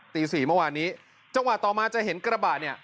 ตี๔เมื่อวานนี้จังหวะต่อมาจะเห็นกระบะเนี่ย